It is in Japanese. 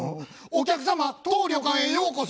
「お客様当旅館へようこそ」。